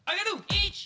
１！